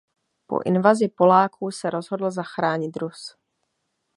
Po invazi Poláků se rozhodl zachránit Rus.